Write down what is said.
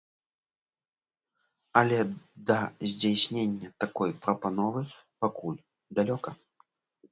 Але да здзяйснення такой прапановы пакуль далёка.